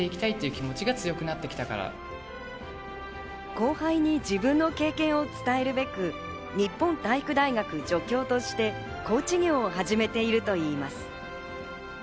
後輩に自分の経験を伝えるべく、日本体育大学助教としてコーチ業を始めているといいます。